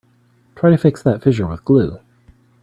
Try to fix that fissure with glue.